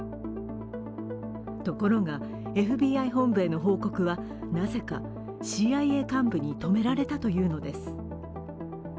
ところが、ＦＢＩ本部への報告はなぜかＣＩＡ幹部に止められたというのです。